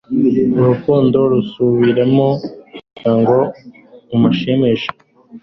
Urukundo rumusubiramo kugirango amushimishe